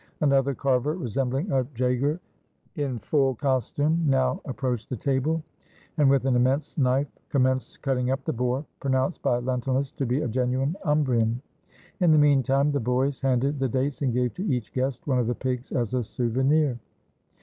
Another carver resembHng a jager in full costume, now approached the table, and with an immense knife com menced cutting up the boar, pronounced byLentulus to be a genuine Umbrian. In the mean time the boys handed the dates, and gave to each guest one of the pigs as a souvenir.